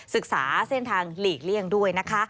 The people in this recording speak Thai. ศึกษาเส้นทางหลีกเลี่ยงด้วยนะคะ